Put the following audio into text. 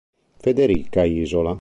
Federica Isola